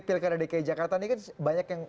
pilkada dki jakarta ini kan banyak yang